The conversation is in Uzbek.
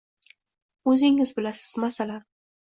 Oʻzingiz bilasiz, masalan.